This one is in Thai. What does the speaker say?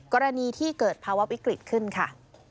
กรณีที่เกิดภาวะวิกฤตขึ้นค่ะ